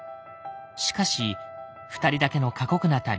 しかし２人だけの過酷な旅。